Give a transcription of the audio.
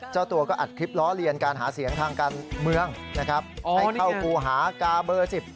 เจ้าตัวก็อัดคลิปล้อเลียนการหาเสียงทางการเมืองนะครับ